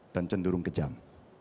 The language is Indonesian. dan cenderung kejam